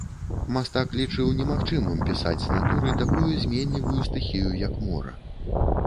Мастак лічыў немагчымым пісаць з натуры такую зменлівую стыхію, як мора.